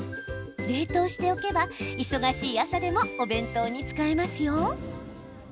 冷凍しておけば、忙しい朝でもお弁当に使えますよ。